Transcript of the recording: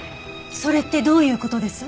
それってどういう事です？